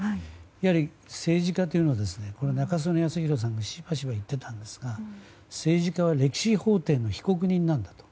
やはり、政治家というのは中曽根康弘さんがしばしば言っていたんですが政治家は歴史法廷の被告人なんだと。